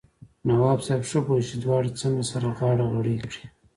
نواب صاحب ښه پوهېږي چې دواړه څنګه سره غاړه غړۍ کړي.